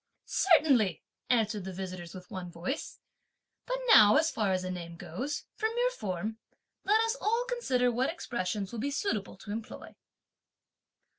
"Certainly!" answered the visitors with one voice; "but now as far as a name goes, for mere form, let us all consider what expressions will be suitable to employ."